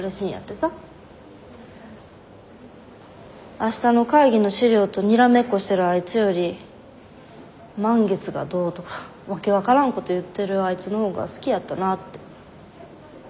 明日の会議の資料とにらめっこしてるあいつより満月がどうとか訳分からんこと言ってるあいつのほうが好きやったなぁって。